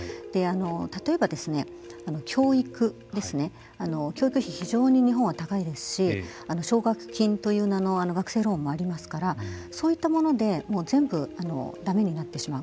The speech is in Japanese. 例えばですね教育ですね教育費、非常に日本は高いですし奨学金という名の学生ローンもありますからそういったもので全部だめになってしまう。